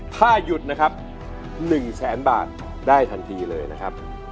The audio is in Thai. ถ้าหยุดนะครับ๑แสนบาทได้ทันทีเลยนะครับ